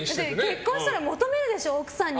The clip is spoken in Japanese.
結婚したら、求めるでしょ奥さんに。